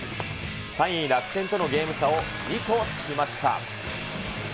３位楽天とのゲーム差を２としました。